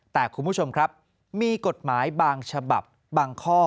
แต่คุณผู้ชมครับมีกฎหมายบางฉบับบางข้อ